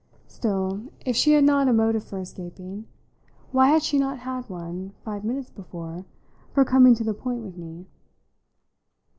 Still, if she had not a motive for escaping, why had she not had one, five minutes before, for coming to the point with me?